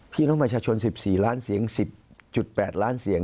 พี่น้องประชาชน๑๔ล้านเสียง๑๐๘ล้านเสียง